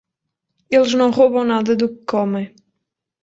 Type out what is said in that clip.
Eles não roubam nada do que comem.